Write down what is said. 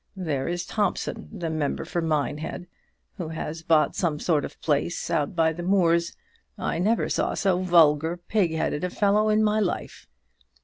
There is Thompson, the member for Minehead, who has bought some sort of place out by the moors. I never saw so vulgar, pig headed a fellow in my life.